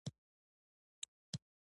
کوم ګروپ ځانګړي چلند ته اړتیا لري.